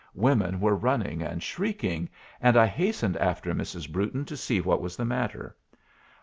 Women were running and shrieking, and I hastened after Mrs. Brewton to see what was the matter.